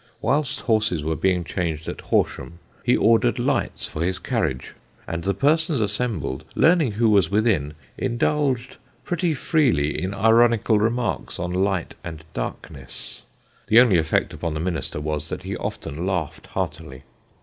Whilst horses were being changed at Horsham, he ordered lights for his carriage; and the persons assembled, learning who was within, indulged pretty freely in ironical remarks on light and darkness. The only effect upon the Minister was, that he often laughed heartily.